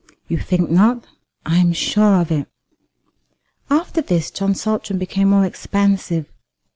"You think not?" "I am sure of it." After this John Saltram became more expansive.